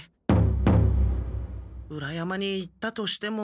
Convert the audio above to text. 裏山に行ったとしても。